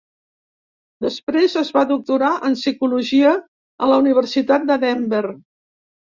Després es va doctorar en psicologia a la Universitat de Denver.